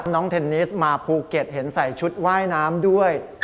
เทนนิสมาภูเก็ตเห็นใส่ชุดว่ายน้ำด้วย